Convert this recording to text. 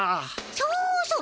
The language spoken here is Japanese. そうそう！